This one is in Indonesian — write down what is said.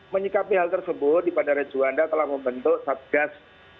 menyikapi hal tersebut di bandara juanda telah membentuk satgas